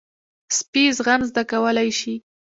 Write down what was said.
سپي زغم زده کولی شي.